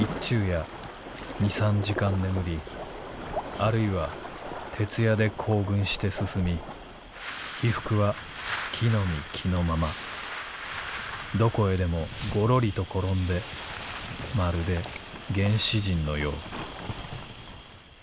「あるいは徹夜で行軍して進み衣服は着の身着のままどこへでもごろりと転んでまるで原始人のよう」。